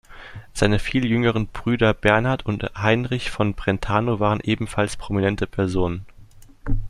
Seine viel jüngeren Brüder Bernard und Heinrich von Brentano waren ebenfalls prominente Personen.